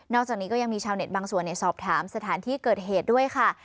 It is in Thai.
อกจากนี้ก็ยังมีชาวเน็ตบางส่วนสอบถามสถานที่เกิดเหตุด้วยค่ะ